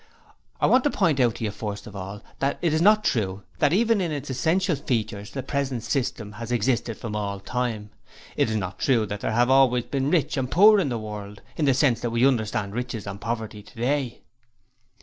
I want to point out to you first of all, that it is not true that even in its essential features, the present system has existed from all time; it is not true that there have always been rich and poor in the world, in the sense that we understand riches and poverty today.